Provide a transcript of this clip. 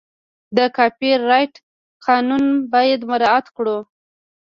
د کاپي رایټ قانون باید مراعت کړو.